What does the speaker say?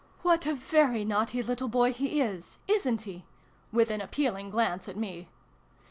" What a very naughty little boy he is ! Isn't he ?" (with an appealing glance at me).